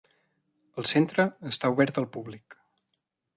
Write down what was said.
El centre està obert al públic.